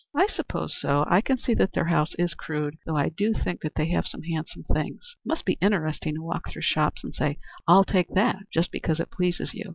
"I suppose so. I can see that their house is crude, though I do think that they have some handsome things. It must be interesting to walk through shops and say: 'I'll take that,' just because it pleases you."